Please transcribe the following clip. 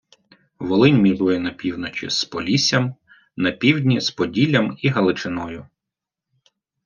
Волинь межує на півночі з Поліссям, на півдні з Поділлям і Галичиною.